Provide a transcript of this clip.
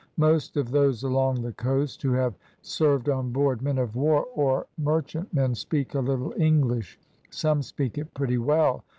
Most of those along the coast, who have served on board men of war or merchantmen, speak a little English; some speak it pretty well.